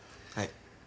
はい。